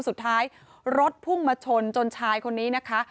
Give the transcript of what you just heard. สุดท้ายรถพุ่งมาชนจนชายคนนี้นะคะ